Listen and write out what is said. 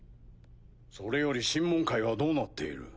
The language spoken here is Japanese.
それより審問会はどうなっている？